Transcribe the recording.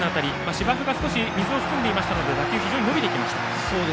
芝生が少し水を含んでいたので打球が非常に伸びました。